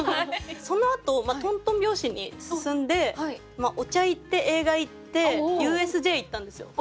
そのあとトントン拍子に進んでお茶行って映画行ってＵＳＪ行ったんですよ。